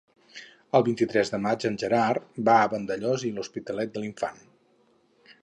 El vint-i-tres de maig en Gerard va a Vandellòs i l'Hospitalet de l'Infant.